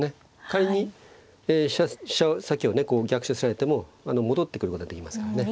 仮に飛車先をね逆襲されても戻ってくることができますからね。